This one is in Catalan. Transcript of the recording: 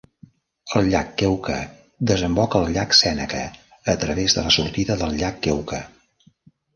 El llac Keuka desemboca al llac Sèneca a través de la sortida del llac Keuka.